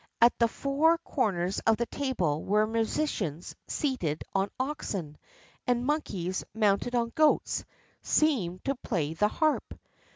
At the four corners of the table were musicians seated on oxen; and monkeys, mounted on goats, seemed to play the harp.